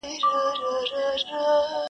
وجود به پاک کړو له کینې او له تعصبه یاره-